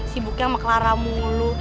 sibuknya sama clara mulu